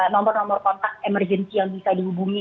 nomor nomor kontak emergency yang bisa dihubungi